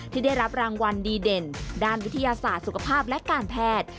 ที่ได้รับรางวัลดีเด่นด้านวิทยาศาสตร์สุขภาพและการแพทย์